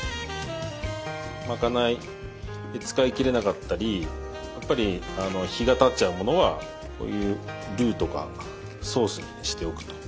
まかないで使いきれなかったりやっぱり日がたっちゃうものはこういうルーとかソースにしておくと。